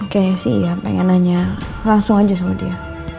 kayak sih ya pengen nanya langsung aja sama dia